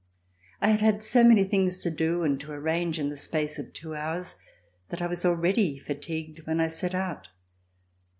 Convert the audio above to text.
I had had so many things to do and to arrange in the space of two hours, that I was already fatigued when I set out.